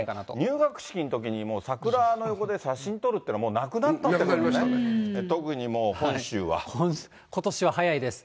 入学式のときに桜の横で写真撮るっていうのは、もうなくなっことしは早いです。